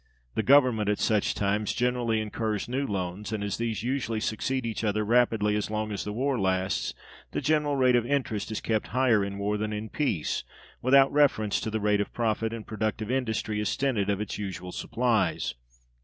The Government, at such times, generally incurs new loans, and, as these usually succeed each other rapidly as long as the war lasts, the general rate of interest is kept higher in war than in peace, without reference to the rate of profit, and productive industry is stinted of its usual supplies.